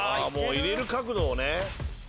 入れる角度をね。